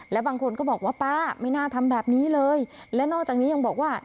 และบางคนก็บอกว่าป้าไม่น่าทำแบบนี้เลยและนอกจากนี้ยังบอกว่า